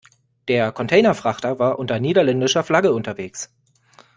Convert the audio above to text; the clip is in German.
Der Containerfrachter war unter niederländischer Flagge unterwegs.